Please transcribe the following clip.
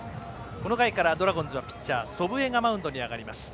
この回からドラゴンズはピッチャー、祖父江がマウンドに上がります。